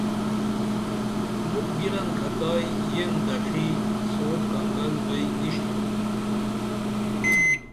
مُکھ گِرنکھتائی یین دڇھی سور کنگل بئی نِشتُھم